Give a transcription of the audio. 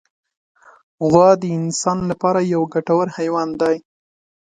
غوا د انسان له پاره یو ګټور حیوان دی.